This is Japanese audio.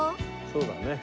そうだね。